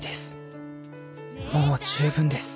もう十分です